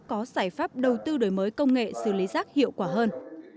có giải pháp đầu tư đổi mới công nghệ xử lý rác hiệu quả hơn